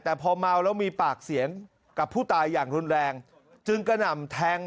แต่พอเมาแล้วมีปากเสียงกับผู้ตายอย่างรุนแรง